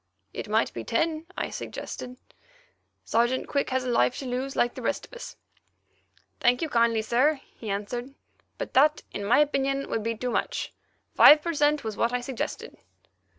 "It might be ten," I suggested. "Sergeant Quick has a life to lose like the rest of us." "Thank you kindly, sir," he answered; "but that, in my opinion, would be too much. Five per cent. was what I suggested."